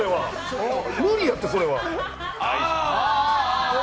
無理やって、それは。